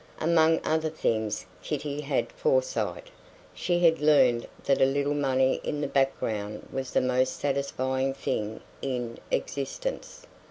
Among other things Kitty had foresight. She had learned that a little money in the background was the most satisfying thing in existence.